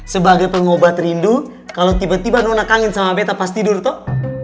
sebagai pengobat rindu kalau tiba tiba nona kangen sama beta pas tidur tuh